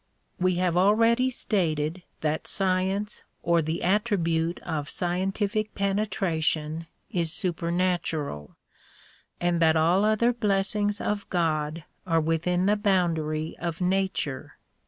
We have already stated that science or the attribute of scien tific penetration is supernatural and that all other blessings of God are within the boundary of nature.